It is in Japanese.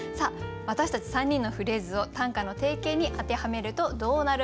私たち３人のフレーズを短歌の定型に当てはめるとどうなるのでしょうか。